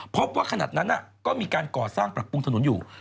พบว่าขนาดนั้นก็มีการก่อสร้างปรับปรุงถนนอยู่